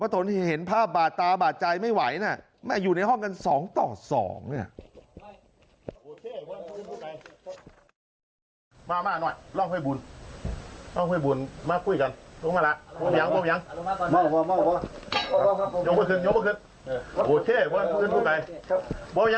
ทนที่เห็นภาพบาดตาบาดใจไม่ไหวนะแม่อยู่ในห้องกัน๒ต่อ๒เนี่ย